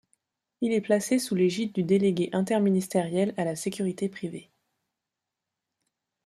Il est placé sous l'égide du délégué interministériel à la sécurité privée.